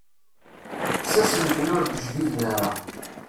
Kkes asentel ur d-jbiden ara.